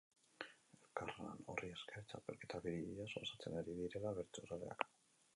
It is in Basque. Elkarlan horri esker, txapelketa biribilaz gozatzen ari dira bertsozaleak.